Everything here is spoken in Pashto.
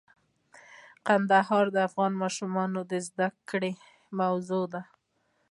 کندهار د افغان ماشومانو د زده کړې موضوع ده.